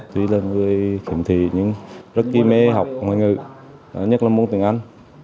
tôi là người khiếm thị nhưng rất kì mê học ngoài ngữ nhất là môn tiếng anh